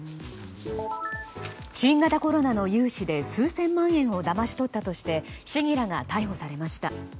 新型コロナの融資で数千万円をだまし取ったとして市議らが逮捕されました。